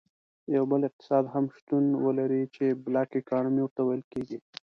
یو بل اقتصاد هم شتون ولري چې Black Economy ورته ویل کیږي.